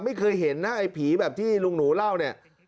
ไม่เคยเห็นนะไอ้ผีแบบที่ลุงหนูเล่าเนี่ย